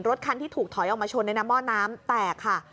รถคันที่ถูกถอยออกมาชนในน้ำหม้อน้ำแตกค่ะ